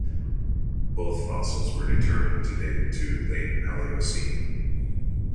Both fossils were determined to date to the late Paleocene.